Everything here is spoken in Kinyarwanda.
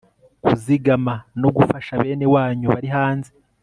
kuzigama no gufasha bene wanyu bari hanze